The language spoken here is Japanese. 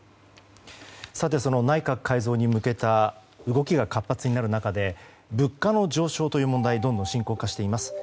その内閣改造に向けた動きが活発になる中で物価の上昇という問題がどんどん深刻化しています。